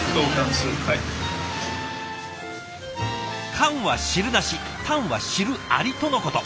カンは汁なしタンは汁ありとのこと。